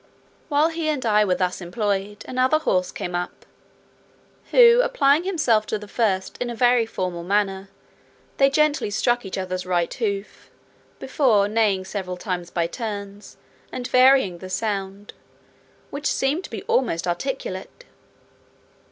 While he and I were thus employed, another horse came up; who applying himself to the first in a very formal manner, they gently struck each other's right hoof before, neighing several times by turns, and varying the sound, which seemed to be almost articulate.